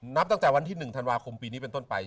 นับตั้งแต่วันที่๑ธันวาคมปีนี้เป็นต้นไป